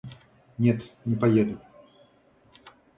Нет, не поеду.